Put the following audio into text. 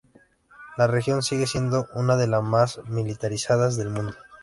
La región sigue siendo una de las más militarizadas del mundo.